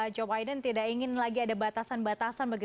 joe biden tidak ingin lagi ada batasan batasan